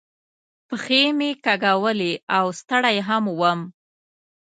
پښې مې کاږولې او ستړی هم ووم.